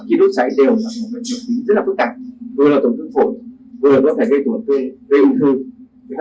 khi đốt cháy đều là một hình thức rất khó khăn vừa là tổn thương phổi vừa là có thể gây tổn thương gây âm thư